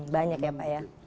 banyak ya pak ya